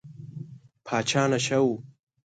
پاچا نشه و.